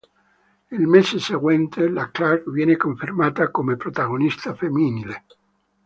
Il mese seguente la Clarke viene confermata come protagonista femminile.